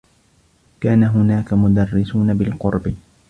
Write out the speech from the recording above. كان هناك مدرّسون بالقرب.